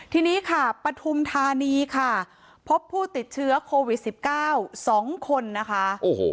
ทีนี้ค่ะปฐุมธานีค่ะพบผู้ติดเชื้อโควิด๑๙๒คนนะคะ